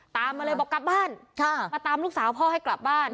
ตามมาเลยบอกกลับบ้านมาตามลูกสาวพ่อให้กลับบ้าน